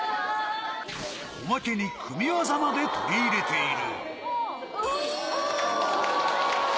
おまけに組み技まで取り入れている。